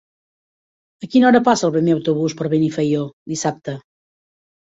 A quina hora passa el primer autobús per Benifaió dissabte?